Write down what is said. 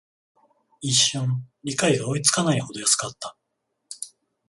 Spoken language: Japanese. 一瞬、理解が追いつかないほど安かった